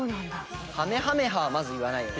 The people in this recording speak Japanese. かめはめ波はまず言わないよね。